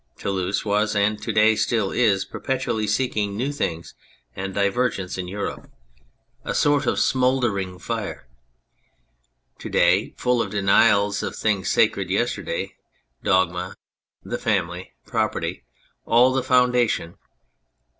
Toulouse was and to day still is perpetually seeking new things and divergence in Europe : a sort of smouldering 268 On Two Towns fire. To day full of denials of things sacred yester day, dogma, the family, property, all the foundations.